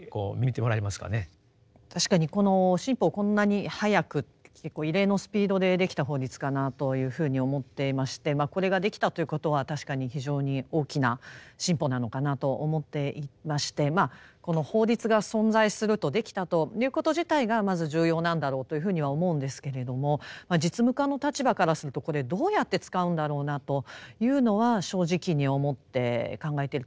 確かにこの新法をこんなに早く結構異例のスピードでできた法律かなというふうに思っていましてこれができたということは確かに非常に大きな進歩なのかなと思っていましてこの法律が存在するとできたということ自体がまず重要なんだろうというふうには思うんですけれども実務家の立場からするとこれどうやって使うんだろうなというのは正直に思って考えているところです。